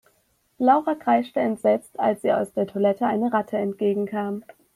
Laura kreischte entsetzt, als ihr aus der Toilette eine Ratte entgegenkam.